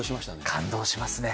感動しますね。